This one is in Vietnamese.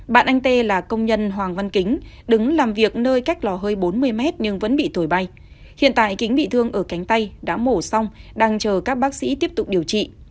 bạn anh tê là công nhân hoàng văn kính đứng làm việc nơi cách lò hơi bốn mươi mét nhưng vẫn bị thổi bay hiện tại kính bị thương ở cánh tay đã mổ xong đang chờ các bác sĩ tiếp tục điều trị